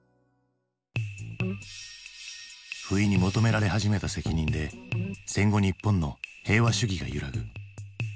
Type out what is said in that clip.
不意に求められ始めた責任で戦後日本の平和主義が揺らぐ。